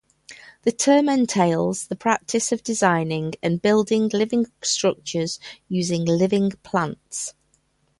The term entails the practice of designing and building living structures using "living plants".